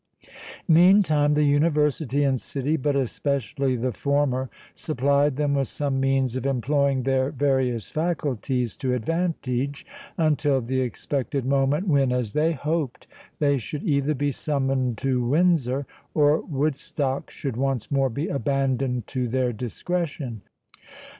Meantime, the University and City, but especially the former, supplied them with some means of employing their various faculties to advantage, until the expected moment, when, as they hoped, they should either be summoned to Windsor, or Woodstock should once more be abandoned to their discretion.